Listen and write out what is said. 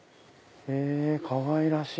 かわいらしい！